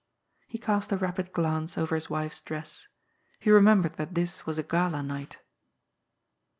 He cast a rapid glance over his wife's dress. He remembered that this was a gala night.